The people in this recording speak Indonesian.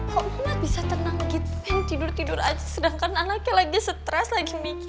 kok mama bisa tenang gitu men tidur tidur aja sedangkan anaknya lagi stress lagi mikir